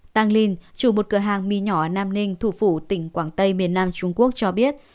tăng linh chủ một cửa hàng mi nhỏ ở nam ninh thủ phủ tỉnh quảng tây miền nam trung quốc cho biết